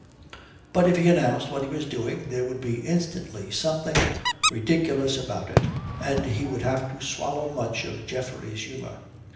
But if he announced what he was doing, there would be instantly something ridiculous about it, and he would have to swallow much of Geoffrey's humour.